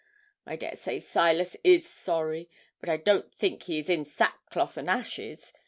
I dare say Silas is sorry, but I don't think he is in sackcloth and ashes.